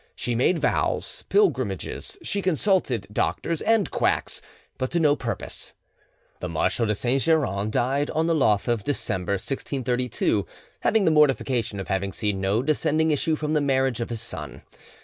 She made vows, pilgrimages; she consulted doctors and quacks; but to no purpose. The Marshal de Saint Geran died on the Loth of December 1632, having the mortification of having seen no descending issue from the marriage of his son.